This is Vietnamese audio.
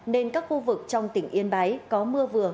nên các khu vực trong tỉnh yên bái có mưa vừa